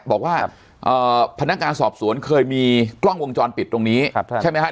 บอกว่าพนักงานสอบสวนเคยมีกล้องวงจรปิดตรงนี้ใช่ไหมฮะ